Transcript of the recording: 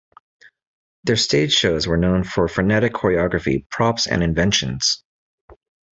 Their stage shows were known for frenetic choreography, props and inventions.